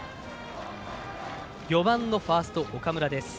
４番のファースト岡村。